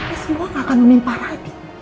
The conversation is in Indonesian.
esmoa gak akan menimpa radit